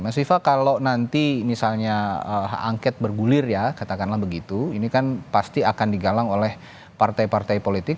mas viva kalau nanti misalnya hak angket bergulir ya katakanlah begitu ini kan pasti akan digalang oleh partai partai politik